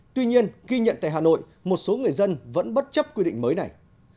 tuy nhiên ghi nhận tại hà nội một số người dân vẫn bất chấp quy định mới này